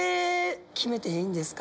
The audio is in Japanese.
決めていいんですか？